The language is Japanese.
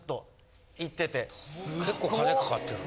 結構金かかってるな。